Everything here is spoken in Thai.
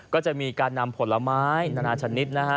ก็จะมีการนำผลไม้นานาชนิดนะฮะ